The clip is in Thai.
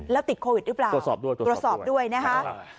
แล้วติดโควิดหรือเปล่าตรวจสอบด้วยนะคะ